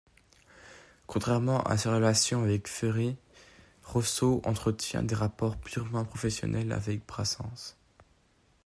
Contrairement à sa relation avec Ferré, Rosso entretient des rapports purement professionnels avec Brassens.